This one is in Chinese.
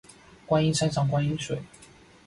观音山上观山水